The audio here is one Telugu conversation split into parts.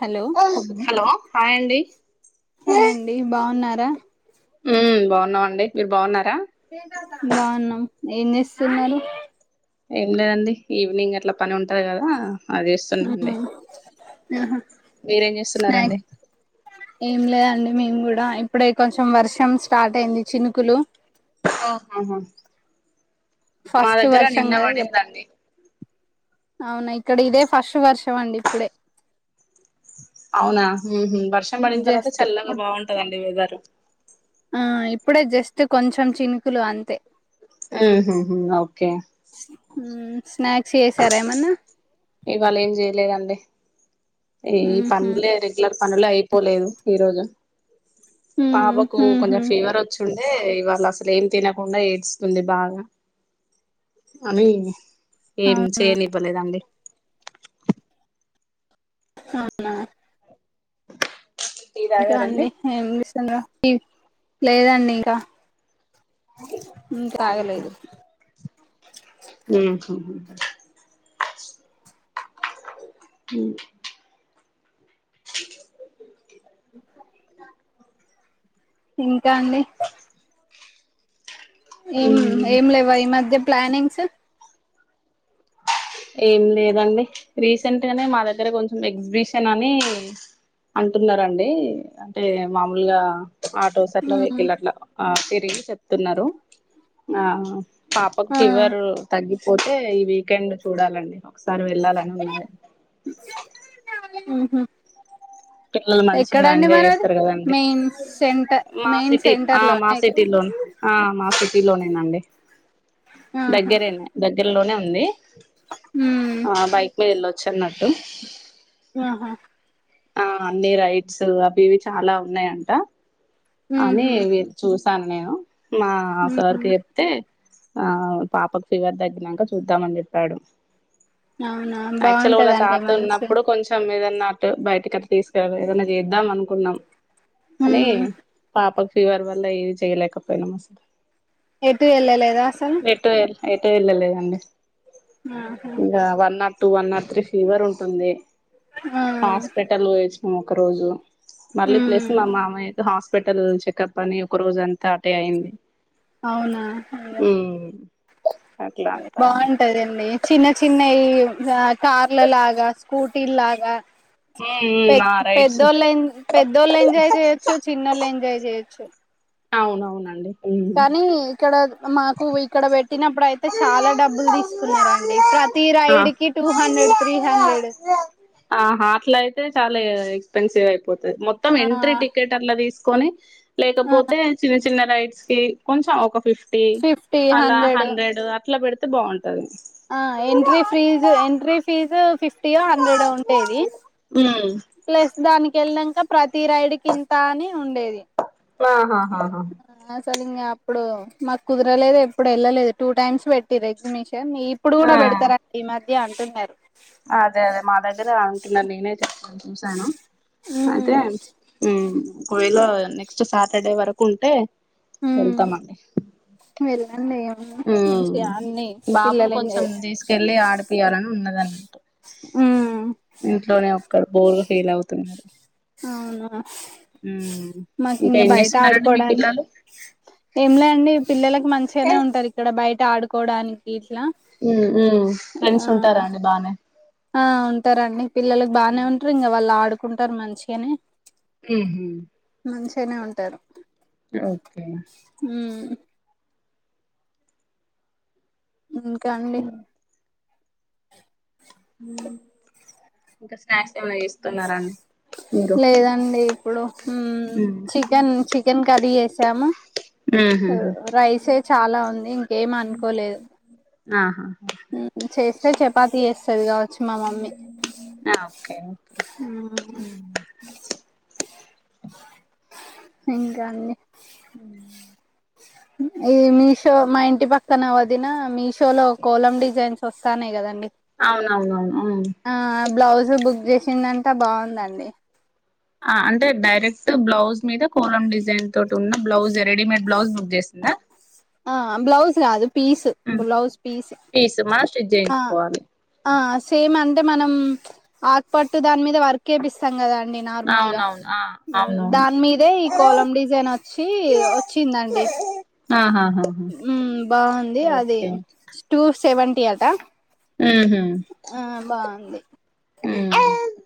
హలో హలో హయ్ అండి దా హు బావున్నామండి మీరు బావున్నార్ బావున్నాం ఏం చేస్తున్నరు ఏం లేదండి ఈవినింగ్ అట్లా పనుంటాది కదా అది చేస్తున్నామండి ఆహా స్నాక్ ఎమ్ లేదండి మేమ్ కూడా ఇప్పుడే కొంచం వర్షం స్టార్టైంది చినుకులు ఆ ఆహా మా ఫస్ట్ దగ్గర వర్షం నిన్న కదా ఇక పడిందండి అవునా ఇక్కడ ఇదే ఫస్ట్ వర్షమండి ఇప్పుడే అవునా ఊహు వర్షం పడిన తరువాత జస్ట్ చల్లగా బావుంటదండి వెదురు ఆ ఇప్పుడే జస్ట్ కొంచం చినుకులు అంతే ఉ హుహు ఒకే మ్ స్నాక్స్ చేసారా ఏమన్నా ఇవాళ ఏం చేయలేదండి ఈ ఉహు పనులే రెగ్యులర్ పనులే అయిపోలేదు ఈ రోజు పాపకు ఉహు కొంచం ఫీవర్ వచ్చుంది అంటే ఇవాళ అసలు ఏం తినకుండా ఏడుస్తుంది బాగా అని ఏం అవును చేయనివ్వలేదండి అవునా టీ ఇంకా తాగారండి అండి ఏంచేసుండ్రు లేదండి ఇంకా ఇంకా ఆగలేదు ఉహు మ్ ఇంకా అండి ఏం ఏం లేవా ఈ మధ్య ప్లానింగ్స్ ఏం లేదండి రీసెంట్ గానే మా దగ్గర కొంచెం ఎగ్జిబిషన్ అని అంటున్నారండి అంటే మామూలుగా ఆటోస్ అట్లా వెహికల్ అట్లా ఆ తిరిగి చెప్తున్నారు ఆహ పాపకు ఆ ఫీవర్ తగ్గిపోతే ఈ వీకెండ్ చూడాలండి ఒకసారి వెళ్ళాలని ఉన్నది మ్ పిల్లలు మంచిగా ఎంజాయ్ చేస్తారు కదండి మెయిన్ సెంటర్ మా మెయిన్ సిటీ సెంటర్ ఆ మా లోనే ఇక్కడ. సిటీ లోనే ఆ మా సిటీ లోనేనండి ఆహా దగ్గరేనే దగ్గరలోనే ఉంది ఉమ్ ఆ బైక్ మీద వెళ్ళొచ్చు చిన్నట్టు ఆహా ఆ అన్ని రైట్స్ అవి ఇవి చాలా ఉన్నాయంట అని ఉహు చూ అన్నాను మా ఉహు సార్కి చెప్తే ఆ పాపకు ఫీవర్ తగ్గినాంక చూద్దామని చెప్పాడు అవునా యాక్చువల్లి వాళ్ళ బాగుంటదండి తాత మంచి ఉన్నప్పుడు కొంచెం ఏదైనా ఉన్నట్టు బయటికి అట్ట తీసుకెళ్లి ఏదన్నా చేద్దాం అనుకున్నాం అని ఉమ్ పాపకు ఫీవర్ వల్ల ఏవి చేయలేకపోయినాం అసలు ఎటు వెళ్ళలేదా అసలు ఎటు ఎటు వెళ్ళలేదండి ఆహా ఇంకా one nought two one nought three fever ఉంటుంది ఆ హాస్పిటల్ పోయివవచ్చినాం ఒక రోజు మళ్ళీ ప్లస్ ఉమ్ మా మామయ్య కు అయితే హాస్పిటల్ చెకప్ అని ఒక రోజు అంతా అటే అయింది అవునా అయ్యో ఉమ్ అట్లా అంతా బాగుంటదండి చిన్న చిన్నవి ఏం కార్ల లాగా స్కూటీలు లాగా ఉమ్ ఉమ్ ఆ రైట్స్ పెద్దోలైన్ పెద్దోలైంజాయి చేయొచ్చు చిన్నలున్జాయి చేయొచ్చు అవునవునండి ఉమ్ కానీ ఇక్కడ మాకు ఇక్కడ పెట్టినప్పుడు అయితే చాలా డబ్బులు తీసుకున్నారండి ప్రతి రైడ్ కి టూ హండ్రెడ్ డ్ త్రీ హండ్రెడ్ ఆ హట్ల అయితే చాలా ఏ ఎక్స్పెన్సివ్ అయిపోతుంది మొత్తం ఆ ఎంట్రీ టికెట్ అట్లా తీసుకొని లేకపోతే చిన్న చిన్న రైడ్ కొంచెం ఒక ఫిఫ్టీ అలా హండ్రెడ్ అట్లా పెడితే బాగుంటది ఆ ఎంట్రీ ఫ్రీజ్ ఎంట్ర్రి ఫీజు ఫిఫ్ ఫిఫ్టీ ఓ హండ్రెడో ఉండేది ఉమ్ ప్లస్ దానికి వెళ్నాక ప్రతి రైడు కింత అని ఉండేది ఆహా హా అసలు ఇంక అప్పుడు మాకు కుదరలేదు ఎప్పుడు వెళ్ళలేదు టూ టైమ్స్ పెటిరు ఎగ్జిబిషన్ మీ ఇప్పుడు కూడా ఆ పెడతారా అని ఈ మధ్య అంటున్నారు అదే అదే మా దగ్గర అంటున్నారు నేనే చెప్తను చూశాను ఉమ్ అదే ఉమ్ ఒకవేళ నెక్స్ట్ సాటర్డే వరకు ఉంటే హ్మ్ వెళ్తామండి వెళ్ళండి ఉ మంచిగా అన్ని బాబును పిల్లలు ఎంజాయ్ కొంచెం చేస్తారు తీసుకెళ్ళి ఆడిపియాలని ఉన్నదన్నట్టు హ్మ్ ఇంట్లోనే ఒక్కడు బోర్గా ఫీల్ అవుతున్నాడు అవునా మాకు ఇంకా ఏం బయట చేస్తున్నారండి మీ ఆడుకోవడానికి పిల్లలు ఏం లే అండి పిల్లలకు మంచిగానే ఉంటారు ఇక్కడ బయట ఆడుకోవడానికి ఇట్లా ఆ ఫ్రెండ్స్ ఉంటారండి బానే ఆ ఉంటారండి పిల్లలకి బాగానే ఉంటారు ఇంకా వాళ్ళు ఆడుకుంటారు మంచిగానే ఉహూ మంచిగానే ఉంటారు ఓకే హ్మ్ ఇంకా అండి ఇంకా స్నాక్స్ వస్తున్నారండి లేదండి ఇప్పుడు ఉమ్ చికెన్ చికెన్ కర్రీ చేసాము రైసే చాలా ఉంది ఇంకేం అనుకోలేదు ఆహా చేస్తే చపాతీ చేస్తది కావచ్చు మా మమ్మీ ఓకే అ ఇంకా అండి హ ఈ మీషో మా ఇంటి పక్కన వదిన మీషో లో కోలం డిజైన్స్ వస్తానై కదండి అవునవునవును ఆ బ్లౌజు బుక్ చేసిందంటే బాగుందండి ఆ అంటే డైరెక్ట్ బ్లౌజ్ మీద కోలం డిజైన్ తోటి ఉన్న బ్లౌజ్ రెడీమేడ్ బ్లౌజ్ బుక్ చేసిందా ఆ బ్లౌస్ కాదు పీస్ ఉమ్ బ్లౌస్ పీస్ మనం స్టిచ్ అ చేయించుకోవాలి అ సేమ్ అంటే మనం ఆకుపట్టు దాని మీద వర్క్ వేపిస్తాం కదా అ నార్మల్ గా అవునవును ఆ అవునవును దాని మీదే ఈ కోలం డిజైన్ వచ్చి వచ్చిందండి ఆహాహా హు బాగుంది అది ఓకే టూ సెవెన్ [inaudible] ఉహు ఆ బాగుంది ఉ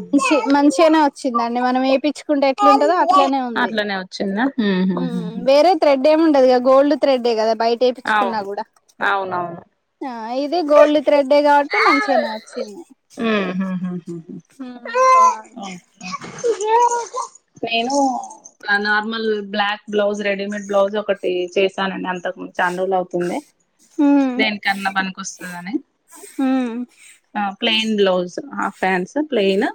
మంచి మంచిగానే వచ్చిందండి మనం ఏపిచ్చుకుంటే ఎట్లుంటందో అట్లానే ఉంది అట్లనే వచ్చిందా ఉహుహు వేరే థ్రెడ్ ఏమి ఉండదుగా గోల్డ్ థ్రెడ్ కదా బయట ఎప్పిచ్చుకున్నా అవును కూడా అవునవును ఇదే గోల్డ్ థ్రెడ్ కాట్టి అంటే మంచిగానే వచ్చిందియి బాంది నేను normal black blouse readymade blouse ఒకటి చేశానండి అంతకు ముందు చాన రోజులు అవుతుంది ఉమ్, దేనికన్నా పనికినికొస్తుదని ఉమ్. ఆ ప్లైన్ బ్లౌస్ ఆ pants plain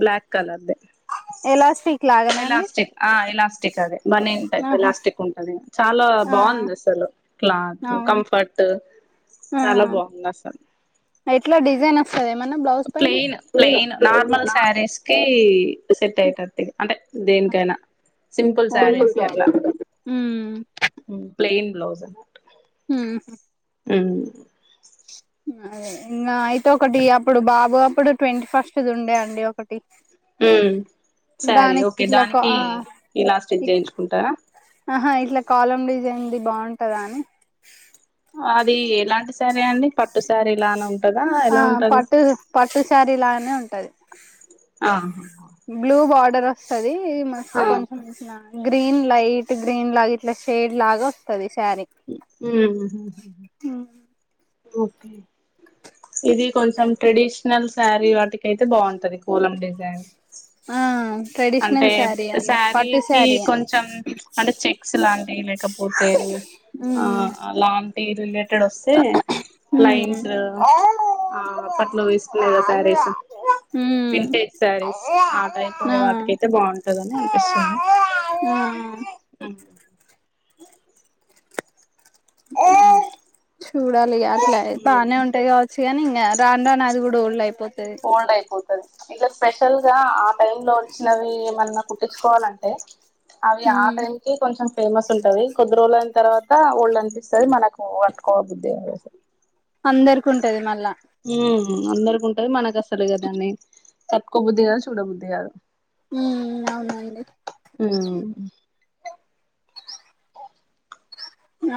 black colour the elastic లాగానా అండి ఎలాలాస్టిక్ ఆ ఎలాలాస్టిక్ అదే బనీ ఉంటాయి ఆహా ఎలాస్టిక్ ఉంటుంది చాల ఆ బాగుంది అసలు క్లాత్ అవును కంఫర్ట్ చాలా బాగుంది అసలు ఇట్ల డిజైన్ వస్తది ఏమన్నా బ్లౌజ్ పైన ప్లైయిన్ లేదు ప్లెయిన్ లేదు నార్మల్ నాకు సారీస్కే సెట్ [unintelligible] అంటే దేనికైన సింపుల్ సారీస్ట్ కి అట్ల ఉమ్ ప్లేన్ బ్లౌజ్ [unintelligible] హు ఉ అదే ఇంగా అయితే ఒకటి అప్పుడు బాబు అప్పుడు ట్వంటీ ఫస్ట్ది ఉండే అండి ఒక ఉ స్యరి దానికి ఓకే ఇట్లా కా దానికి ఆ ఇలా స్టిచ్ చేయించుకుంటా ఆహా ఇట్ల కాలం డిజైన్ది బాగుంటదా అని అది ఎలాంటి శారీ అండి పట్టు శారీ లానే ఉం ఆ పట్టు పట్టు సారి ల ఉంటది ఆహా బ్లూ బడరు [unintelligible] మ ఆ కొంచెం గ్రీన్ లైట్ గ్రీన్ లాగా ఇట్లా షేడ్ లాగ వస్తది శారీ ఉ ఓకే ఇది కొంచెం ట్రెడిషనల్ శారీ వాటికి అయితే బాగుంటది కొలం డిజైన్ ఆ అంటే ట్రెడిషనల్ శారీ అండి పట్టు శారీకి శారీయే కొంచెం అంటే చెక్స్ లాంటివి లేకపోతే ఆ ఉమ్ అల రిలేటెడ్ వస్తే ఉమ్ లైన్స్ట్ అప్పట్లో లేదా శారీస్ ఉమ్ వింటేజ్ శారీస్ ఆ టైప్ ఆ యితే బాగుంటదని ఆ [unintelligible] ఉమ్ చూడాలి అట్ల ఉమ్ బానే ఉంటాయి కావచ్చు కానీ ఇంకా రాని రాని అది కూడ ఓల్డ్ అయి ఫోల్డ్ అయిపోతది ఇట్లా స్పెషల్ గా ఆ టైమ్ లో వచ్చినవి ఏమన్నా కుట్టించుకోవాలంటే అవి ఆ టైమ్ కి కొంచెం ఫేమస్ ఉంటది కొద్ది రోజులుయిన తర్వాత వాళ్ళు అనిపిస్తుంది మనకు పట్టుకోవాలి బుద్ధిదసలు అందరికి ఉంటది మళ్ళా అందరికి ఉంటది మనకు అసలు కదాన్ని తట్కోబుద్ధి కాదు చూడ బుద్ది కాదు హ్మ్ అవునండి హ్మ్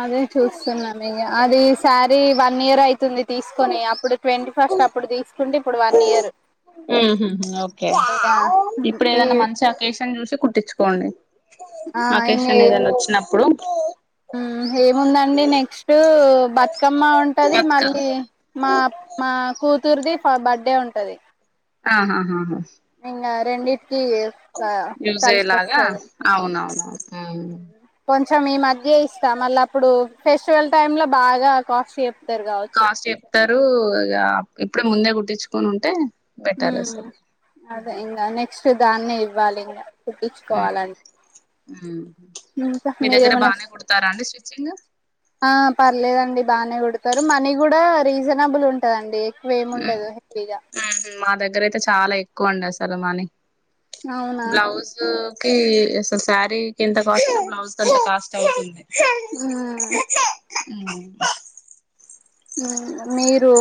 అదే చూస్తున్నా మీగ అది శారీ వన్ ఇయర్ అయితుంది తీసుకొని అప్పుడు ట్వంటీ ఫస్ట్ అప్పుడు తీసుకుంటే ఇప్పుడు వన్ ఇయర్ హమ్ హు ఓకే ఇగ ఇప్పుడు ఈ ఏదనా మంచి ఒకేషన్ చూసి కుట్టించుకోండి ఆ అకాషన్ ఏదైనా వచ్చినప్పుడు హ్మ్ ఏముందండి నెక్స్ట్ బతుకమ్మ ఉంటది బతుక మళ్ళీ మా మా కూతుర్ది బర్త్డే ఉంటది ఆహాహాహా నింగ రెండి కి క యూజ్ అయ్యేలాగా కలిసోస్తది అని అవునవునవును కొంచం మీ మధ్యే ఇస్తా మళ్ళ అప్పుడు ఫెస్టివల్ టైమ్ లో బాగా కాస్ట్ చెప్ కాస్ట్ చెప్తారు ఇగ ఇప్పుడే ముందే గుట్ంచుకని ఉంటే బెటర్ హ్మ్ అసలు అదే ఇంకా నెక్స్ట్ దానే ఇవ్వాలి ఇకా కుట్టించుకోవాలన్ హమ్ ఇంక మీరేమన్ వస్త్ అండి స్టిచ్చింగ్ ఆ పర్లేదండి బానే కూడతారు మనీ కూడా రీజన్ నడబ్బులు ఉంటయండి ఎక్కువ ఏమి మ్మ్ ఉండదు ఫ్రీగా మా దగ్గర అయితే చాలా ఎక్కువ అండసలు మనీ అవునా కి అసలు శారీకి ఎంత కాస్ట్ బ్లౌజ్ కంత కాస్ట్ అవుతుంది హమ్ హ్మ్ హ్మ్ మీరు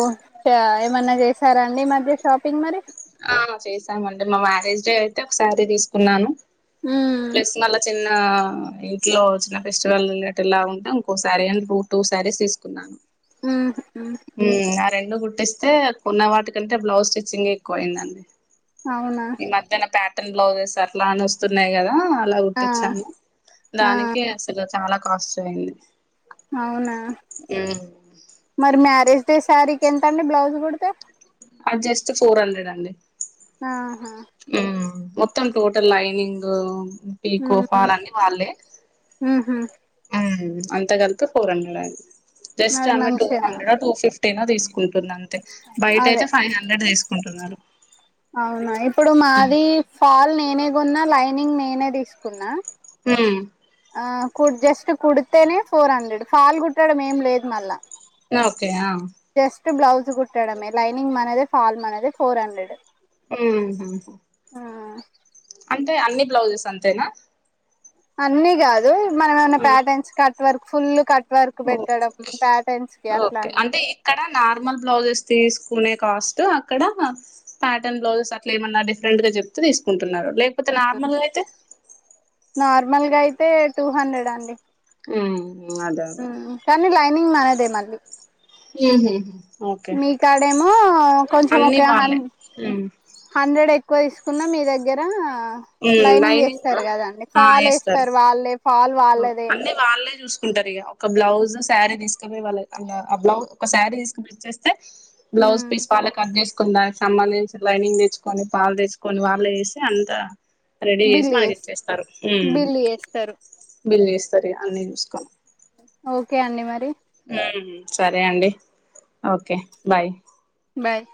ఫ్యా ఏమన్నా చేసారాండి ఈ మధ్య షాపింగ్ మరి ఆ చేశామండి మా మ్యారేజ్ డే అయితే ఒక శారీ తీసుకున్నాను ఉమ్ ప్లస్ మళ్ళ చిన్న ఆ ఇంట్లో చిన్న ఫెస్టివల్లా ఉంటే ఇంకోసారీ అని రూ టూ శారీస్ తీసుకున్నాను హ్మ్హు హ్మ్ ఆ రెండు కుట్టిస్తే కొన్నా వాటి కంటే బ్లౌజ్ స్టిచ్చింగ్ ఎక్కువ అయిందండి అవునా టన్ బ్లౌజెస్ అట్లా అని వస్తున్నాయి కదా అలా ఆ కుట్టించాను ఆ దానికి అసలు చాలా కాస్ట్ అయింది అవునా మరి మ్యారేజ్ డే సారికి ఎంతండి బ్లౌజ్ కుడితే ఆ జస్ట్ ఫోర్ హండ్రెడ్ అండి ఆహా హ్మ్ మొత్తం టోటల్ లైనింగు బి కో ఉమ్ ఫాల్ అన్ని వాళ్ళే ఉహు హ్మ్ అంత కలిపి ఫోర్ హండ్రెడ్ అది మంచిగనే ఉంది అది టెన్ తీసుకుంటుంది అంతే బయట అదే అయితే ఫైవ్ హండ్రెడ్ తీసుకుంటున్నారు అవునా ఇప్పుడు మాది ఫాల్ నేనే కొన్నా లైనింగ్ నేనే తీసుకున్నా హ్మ్ ఆ కు జస్ట్ కుడితేనే ఫోర్ హండ్రెడ్ ఫాల్ కుట్టడం ఏం లేదు మళ్ళా ఓకే ఆ జస్ట్ బ్లౌజ్ కుట్టడమే లైనింగ్ మనది ఫాల్ మనేది ఫోర్ హండ్రెడ్ ఉహు ఆ అంటే అన్ని బ్లౌజెస్ అంతేనా అన్ని కాదు మన ఏమన్నా ఉమ్. Patterns cut work full cut work ఓ పెట్టడం ప్యాటర్న్స్ కి ఓకే అట్లాండి అంటే ఇక్కడ నార్మల్ బ్లౌజెస్ తేసు కునే కాస్ట్ అక్కడ ప్యాటర్న్ బ్లౌజెస్ అట్లా ఏమన్నా డిఫరెంట్ గా చెప్తూ తీసుకుం తున్నారు లేకపోతే నార్మల్గా అయితే తే టూ హండ్రెడ్ అండి ఉమ్ ఉమ్ కానీ లైనింగ్ అనదే మళ్ళీ ఏంది ఓకే మీ కాడేమో కొంచెం అన్నీ ఒక హన్ వాళ్లే ఉమ్ హండ్రెడ్ ఎక్కువ తీసుకున్నా మీ దగ్గర లైనింగ్ వేస్తారు కదండి ఆ పాల్ ఏస్తారు వేస్తారు వాళ్ళే పాల్ వాళ్ళదే కుంటారు ఇక ఒక బ్లౌజ్ శారీ తీసుకుని వాళ్ళ ఆ బ్లౌజ్ ఒక శారీ తీసుకుని వచ్చేస్తే బ్లౌజ్ పీస్ వల్లే కట్ చేస్ కొదనికి సంబంధించి లైనింగ్ తెచ్చుకొని పాలు తెచ్చుకొని వాళ్ళు వేసి అంత రెడీ చేసి బిల్ మనకి చేస్ ఇచ్చేస్తారు ఉమ్ బిల్ చేస్తారు బిల్ చేస్తారు ఇగ అన్ని చూసుకోని ఓకే అండి మరి ఉమ్ సరే అండి ఓకే బాయ్ బాయ్